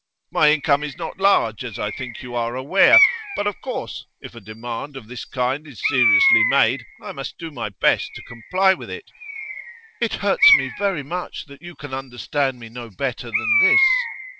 My income is not large, as I think you are aware, but of course, if a demand of this kind is seriously made, I must do my best to comply with it.' 'It hurts me very much that you can understand me no better than this.